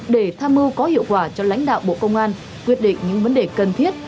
để tham mưu có hiệu quả cho lãnh đạo bộ công an quyết định những vấn đề cần thiết